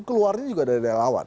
keluarnya juga dari relawan